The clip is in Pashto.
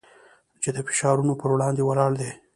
چې د فشارونو پر وړاندې ولاړ دی.